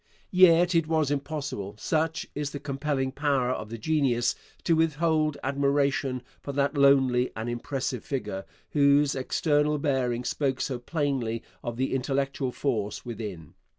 Yet it was impossible, such is the compelling power of genius, to withhold admiration for that lonely and impressive figure whose external bearing spoke so plainly of the intellectual force within.